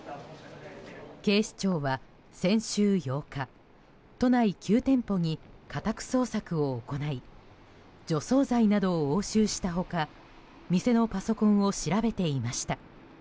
警視庁は先週８日都内９店舗に家宅捜索を行い除草剤などを押収した他店のパソコンを調べていました。